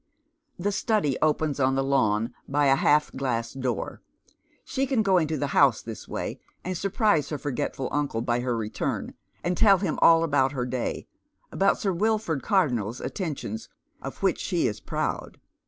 The study opens on the lawn by a half glass door. She can go into tlie house this way, and surprise her forgetful uncle by her return, and tell him all about her day, about Sir Wilford Cardonnel's attentions, of which she is proud.